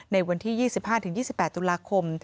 ในวันที่๒๕๒๘ตุลาคม